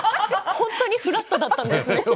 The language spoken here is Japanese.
本当にふらっとだったんですね。